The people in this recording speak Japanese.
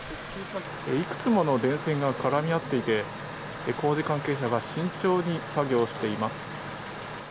いくつもの電線が絡み合っていて工事関係者が慎重に作業しています。